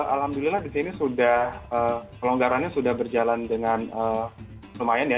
alhamdulillah di sini sudah pelonggarannya sudah berjalan dengan lumayan ya